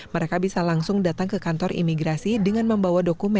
mereka bisa langsung datang ke kantor imigrasi dengan membawa dokumen